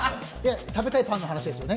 食べたいパンの話ですよね？